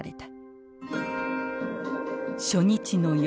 初日の夜。